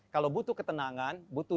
kalau butuh ketenangan butuh